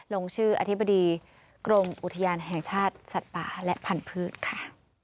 ลงชื่ออธิบดีกรมอุทยานแห่งชาติสัตว์ป่าและพันธุ์ค่ะ